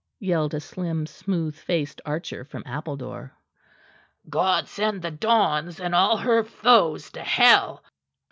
yelled a slim smooth faced archer from Appledore. "God send the dons and all her foes to hell!"